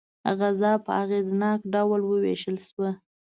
غذا په اغېزناک ډول وویشل شوه.